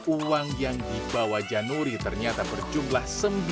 uang yang dibawa jan nuri ternyata berjumlah